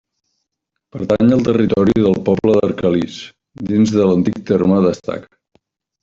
Pertany al territori del poble d'Arcalís, dins de l'antic terme d'Estac.